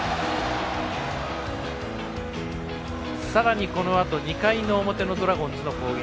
さらにこのあと２回の表のドラゴンズの攻撃。